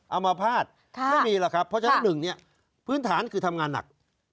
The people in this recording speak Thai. เอามาภาษณ์ไม่มีหรอกครับเพราะฉะนั้นหนึ่งเนี่ยพื้นฐานคือทำงานหนัก